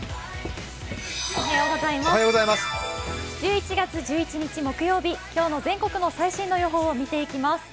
１１月１１日木曜日全国の最新の予報を見ていきます。